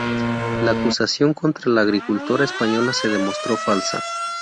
La acusación contra la agricultura española se demostró falsa.